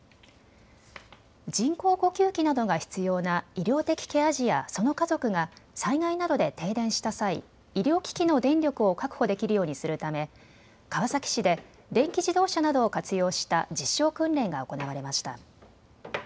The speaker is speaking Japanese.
人工呼吸器などが必要な医療的ケア児やその家族が災害などで停電した際、医療機器の電力を確保できるようにするため川崎市で電気自動車などを活用した実証訓練が行われました。